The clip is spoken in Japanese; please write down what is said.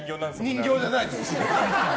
人形じゃないです。